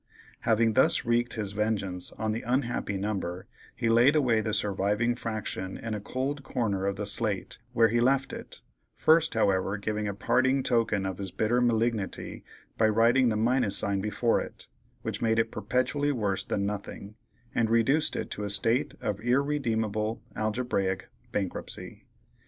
Having thus wreaked his vengeance on the unhappy number, he laid away the surviving fraction in a cold corner of the slate, where he left it, first, however, giving a parting token of his bitter malignity by writing the minus sign before it, which made it perpetually worse than nothing, and reduced it to a state of irredeemable algebraic bankruptcy.